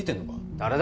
誰だ